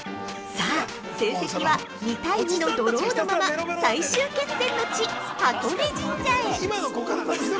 ◆さあ、成績は２対２のドローのまま最終決戦の地、箱根神社へ。